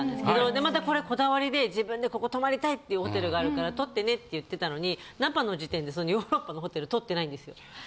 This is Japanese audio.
でまたこれこだわりで自分でここ泊まりたいっていうホテルがあるから取ってねって言ってたのにナパの時点でそのヨーロッパのホテル取ってないんですよ。